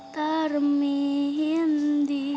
tarmihin di jarum